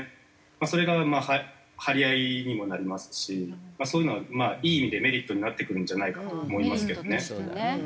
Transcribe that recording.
それが張り合いにもなりますしそういうのがいい意味でメリットになってくるんじゃないかと思いますけどね。